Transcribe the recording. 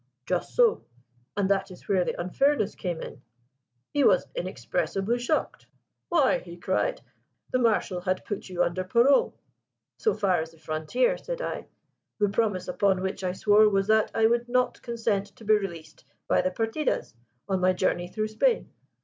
"Just so; and that is where the unfairness came in. He was inexpressibly shocked. 'Why,' he cried, 'the Marshal had put you under parole!' 'So far as the frontier,' said I. 'The promise upon which I swore was that I would not consent to be released by the partidas on my journey through Spain.